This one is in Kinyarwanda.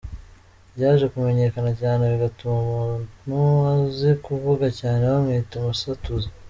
Ryaje kumenyekana cyane bigatuma umuntu uzi kuvuga cyane bamwita umusatuzi.